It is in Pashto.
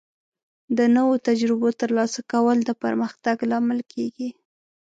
د نوو تجربو ترلاسه کول د پرمختګ لامل کیږي.